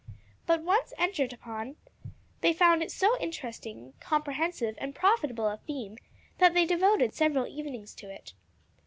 But once entered upon, they found it so interesting, comprehensive and profitable a theme that they devoted several evenings to it.